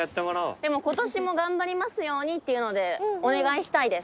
でも「今年も頑張りますように」っていうのでお願いしたいです。